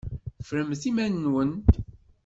Ffremt iman-nwent!